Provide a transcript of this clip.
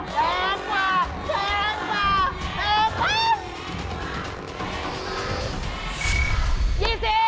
๒๐บาท